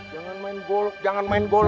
jangan main golok jangan main golok lu